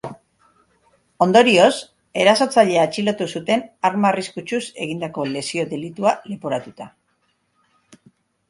Ondorioz, erasotzailea atxilotu zuten arma arriskutsuz egindako lesio delitua leporatuta.